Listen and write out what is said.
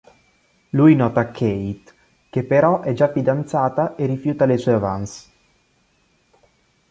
Lui nota Kate, che però è già fidanzata e rifiuta le sue avances.